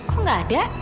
kok gak ada